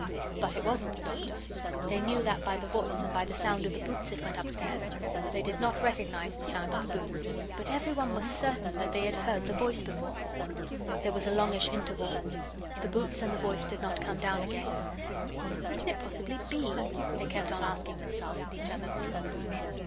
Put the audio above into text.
But it wasn't the Doctor. They knew that by the voice and by the sound of the boots that went upstairs. They did not recognise the sound of the boots, but everyone was certain that they had heard the voice before. There was a longish interval. The boots and the voice did not come down again. "Who can it possibly be?" they kept on asking themselves and each other.